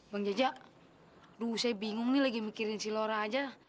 bang jajak lu saya bingung nih lagi mikirin si laura aja